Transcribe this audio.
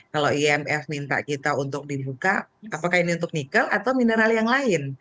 kalau imf minta kita untuk dibuka apakah ini untuk nikel atau mineral yang lain